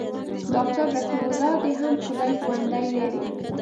ډاکتر رفيع الله دې هم خداى ژوندى لري.